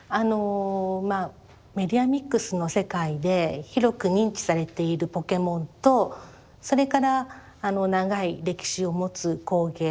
メディアミックスの世界で広く認知されているポケモンとそれから長い歴史を持つ工芸